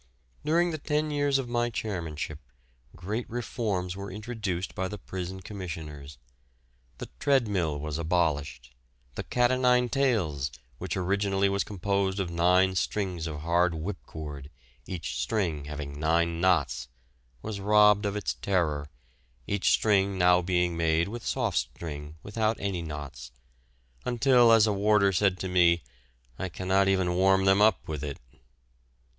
During the ten years of my chairmanship, great reforms were introduced by the Prison Commissioners. The "treadmill" was abolished; the "cat o' nine tails," which originally was composed of nine strings of hard whipcord, each string having nine knots, was robbed of its terror, each string now being made of soft string without any knots, until, as a warder said to me, "I cannot even warm them up with it."